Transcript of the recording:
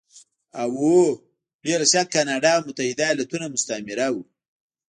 هو! بې له شکه کاناډا او متحده ایالتونه مستعمره وو.